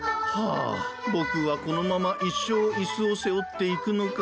あ僕はこのまま一生椅子を背負って生きていくのか。